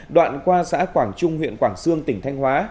đoạn qua xã quảng trung huyện quảng sương tỉnh thanh hóa